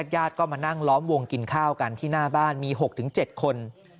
ญาติก็มานั่งล้อมวงกินข้าวกันที่หน้าบ้านมี๖๗คน